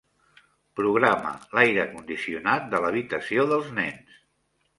Programa l'aire condicionat de l'habitació dels nens.